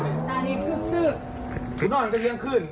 ตื่นออกมาเสร็จมันขึ้น๒๐